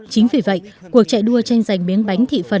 chính vì vậy cuộc chạy đua tranh giành miếng bánh thị phần